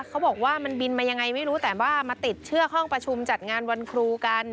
เขาบอกว่ามันบินมายังไงไม่รู้แต่ว่ามาติดเชือกห้องประชุมจัดงานวันครูกัน